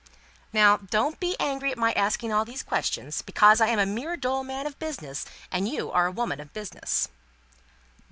"Now don't be angry at my asking all these questions; because I am a mere dull man of business, and you are a woman of business."